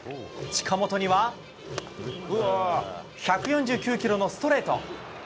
近本には１４９キロのストレート。